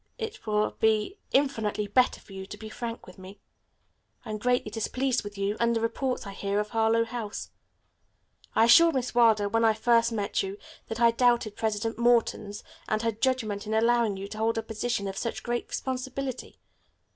It will be infinitely better for you to be frank with me. I am greatly displeased with you and the reports I hear of Harlowe House. I assured Miss Wilder, when first I met you, that I doubted President Morton's and her judgment in allowing you to hold a position of such great responsibility.